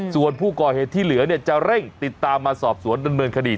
ส่วนผู้ก่อเหตุที่เหลือจะเร่งติดตามมาสอบสวนดำเนินคดี